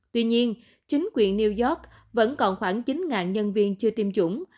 tuy nhiên chính quyền new york vẫn còn khoảng chín nhân viên chưa tiêm chủng